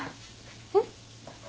えっ？